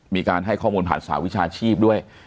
มีการให้ข้อมูลผ่านสหวิชาชีพด้วย